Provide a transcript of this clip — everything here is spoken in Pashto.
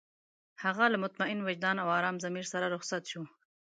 هغه له مطمئن وجدان او ارام ضمير سره رخصت شو.